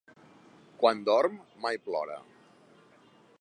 Quan dorm mai plora.